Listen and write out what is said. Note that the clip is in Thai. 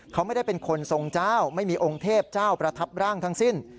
เขาไม่ได้เป็นคนทรงเจ้าไม่มีองค์เทพเจ้าประทับร่างทั้งสิ้น